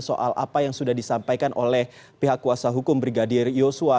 soal apa yang sudah disampaikan oleh pihak kuasa hukum brigadir yosua